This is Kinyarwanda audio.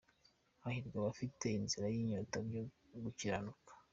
Hahirwa abafite inzara n’inyota byo gukiranuka